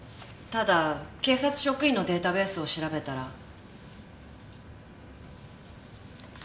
ただ警察職員のデータベースを調べたら。